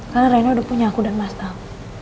karena rena udah punya aku dan mas tau